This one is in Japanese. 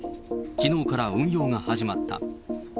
きのうから運用が始まった。